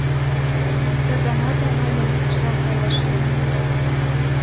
Ты ганат авайым кычал каяш лийым.